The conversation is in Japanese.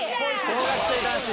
・小学生男子。